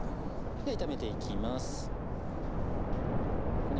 では炒めていきます。